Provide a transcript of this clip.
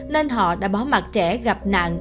nên họ đã bỏ mặt trẻ gặp nạn